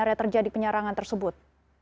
bagaimana terjadi penyerangan tersebut